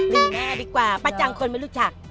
แม่ดีกว่าป้าจังคนไม่รู้จัก